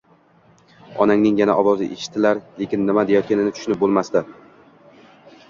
Onaning yana ovozi eshitilar, lekin nima deyotganini tushunib bo‘lmasdi